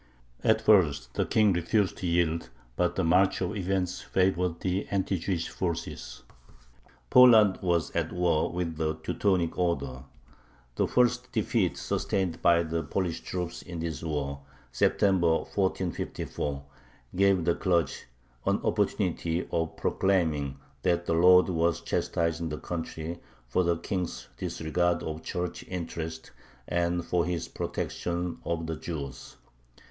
At first the King refused to yield, but the march of events favored the anti Jewish forces. Poland was at war with the Teutonic Order. The first defeat sustained by the Polish troops in this war (September, 1454) gave the clergy an opportunity of proclaiming that the Lord was chastising the country for the King's disregard of Church interests and for his protection of the Jews.